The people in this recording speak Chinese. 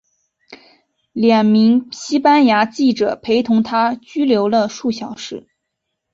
两名西班牙记者陪同她拘留了数小时。